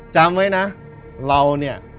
จำไว้นะเราเนี่ย